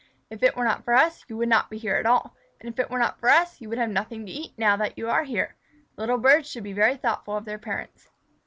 If it were not for us, you would not be here at all, and if it were not for us you would have nothing to eat now that you are here. Little birds should be very thoughtful of their parents."